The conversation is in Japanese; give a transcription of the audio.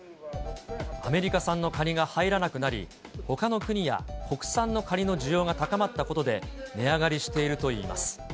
アメリカ産のカニが入らなくなり、ほかの国や、国産のカニの需要が高まったことで、値上がりしているといいます。